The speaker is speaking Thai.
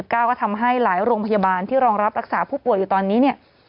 ก็ทำให้หลายโรงพยาบาลที่รองรับรักษาผู้ป่วยอยู่ตอนนี้เนี่ย